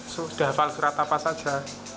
sudah hafal surat apa saja